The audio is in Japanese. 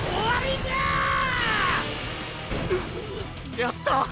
やった！